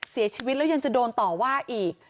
เสียชีวิตแล้วยังจะโดนต่อว่าอีก